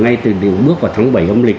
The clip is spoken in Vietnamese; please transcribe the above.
ngay từ bước vào tháng bảy hôm lịch